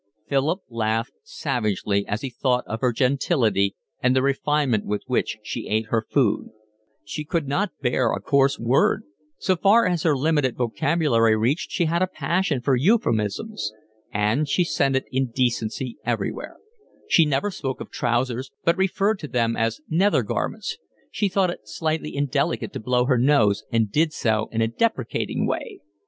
Philip laughed savagely as he thought of her gentility and the refinement with which she ate her food; she could not bear a coarse word, so far as her limited vocabulary reached she had a passion for euphemisms, and she scented indecency everywhere; she never spoke of trousers but referred to them as nether garments; she thought it slightly indelicate to blow her nose and did it in a deprecating way.